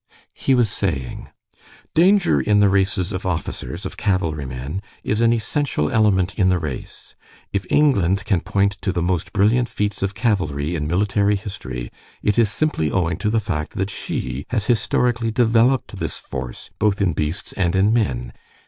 He was saying: "Danger in the races of officers, of cavalry men, is an essential element in the race. If England can point to the most brilliant feats of cavalry in military history, it is simply owing to the fact that she has historically developed this force both in beasts and in men.